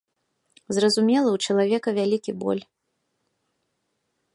Зразумела, у чалавека вялікі боль.